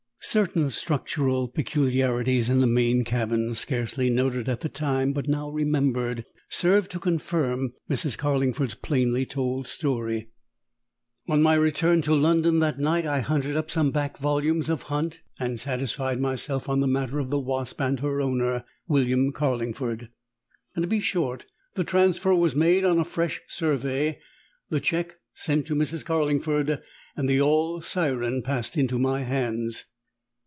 Certain structural peculiarities in the main cabin scarcely noted at the time, but now remembered served to confirm Mrs. Carlingford's plainly told story. On my return to London that night I hunted up some back volumes of Hunt, and satisfied myself on the matter of the Wasp and her owner, William Carlingford. And, to be short, the transfer was made on a fresh survey, the cheque sent to Mrs. Carlingford, and the yawl Siren passed into my hands.